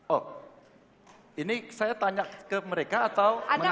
oh ini saya tanya ke mereka atau bagaimana